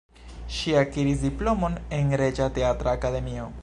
Ŝi akiris diplomon en Reĝa Teatra Akademio.